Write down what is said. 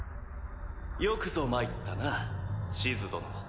よくぞまいったなシズ殿。